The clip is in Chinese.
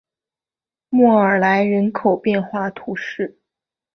莫尔莱人口变化图示